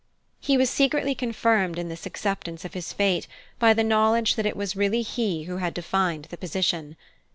He was secretly confirmed in this acceptance of his fate by the knowledge that it was really he who had defined the position.